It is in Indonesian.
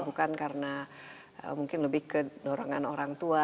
bukan karena mungkin lebih ke dorongan orang tua